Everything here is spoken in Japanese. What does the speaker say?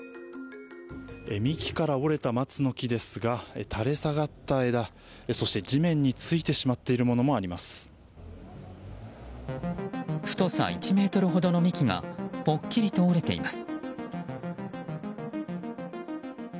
幹から折れた松の木ですが垂れ下がった枝、そして地面についてしまっているものも太さ１ｍほどの幹がぽっきりと折れています。